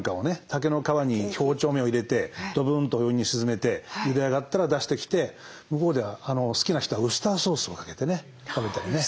竹の皮に包丁目を入れてドブンとお湯に沈めてゆで上がったら出してきて向こうでは好きな人はウスターソースをかけてね食べたりね。